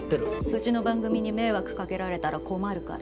うちの番組に迷惑かけられたら困るから。